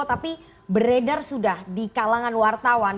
tapi beredar sudah di kalangan wartawan